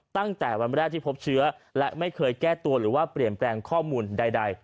ตั้งแต่วันแรกที่พบเชื้อและไม่เคยแก้ตัวหรือว่าเปลี่ยนแปลงข้อมูลใด